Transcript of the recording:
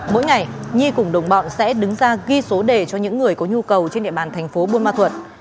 mỗi ngày nhi cùng đồng bọn sẽ đứng ra ghi số đề cho những người có nhu cầu trên địa bàn thành phố bumathuot